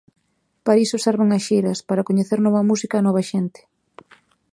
Para iso serven as xiras: para coñecer nova música e nova xente.